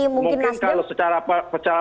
mungkin kalau secara